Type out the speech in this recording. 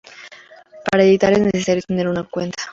Para editar es necesario tener una cuenta.